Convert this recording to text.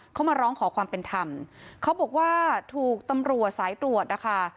เขามาร้องขอความเป็นธรรมเขาบอกว่าถูกตำรวจสายตรวจนะคะ